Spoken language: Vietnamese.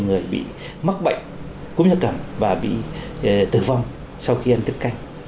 người bị mắc bệnh cũng như cầm và bị tử vong sau khi ăn tiết canh